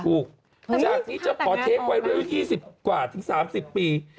ถูกจากนี้จะขอเทปไวรัลยี่สิบกว่าถึงสามสิบปี